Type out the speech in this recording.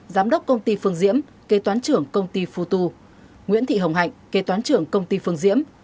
giám đốc công ty phương diễm kê toán trưởng công ty phu tu nguyễn thị hồng hạnh kê toán trưởng công ty phương diễm